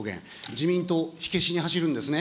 自民党、火消しに走るんですね。